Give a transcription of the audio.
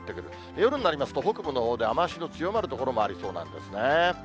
夜になりますと、北部のほうで雨足の強まる所もありそうなんですね。